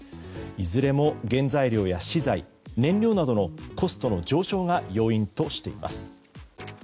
いずれも原材料や資材燃料などのコストの上昇が要因としています。